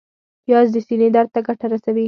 پیاز د سینې درد ته ګټه رسوي